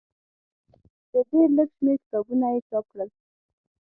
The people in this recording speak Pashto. د ډېر لږ شمېر کتابونه یې چاپ کړل.